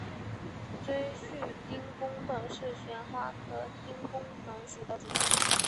锥序丁公藤是旋花科丁公藤属的植物。